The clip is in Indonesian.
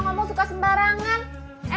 bevani pun ini lagi lagi pula